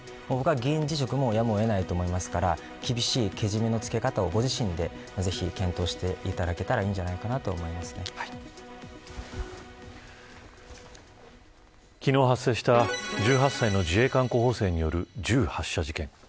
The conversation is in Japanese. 僕は議員辞職もやむを得ないと思いますから、厳しいけじめのつけ方をご自身で、ぜひ検討していただけたらいいんじゃないかな昨日発生した１８歳の自衛官候補生による銃発射事件。